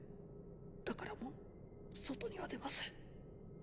だからもう外には出ません。